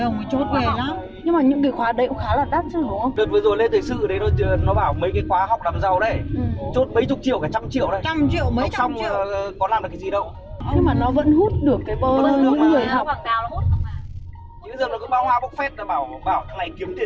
nhưng bây giờ nó cứ bao hoa bốc phép bảo này kiếm tiền tỷ tiền tỷ không nào chỉ đến một hộp hôn